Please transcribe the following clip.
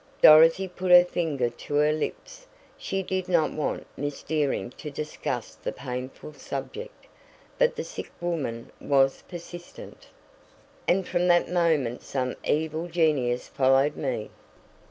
Dorothy put her finger to her lips. She did not want Miss Dearing to discuss the painful subject. But the sick woman was persistent. "And from that moment some evil genius followed me.